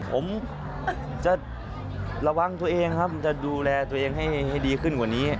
ผมจะระวังตัวเองครับจะดูแลตัวเองให้ดีขึ้นกว่านี้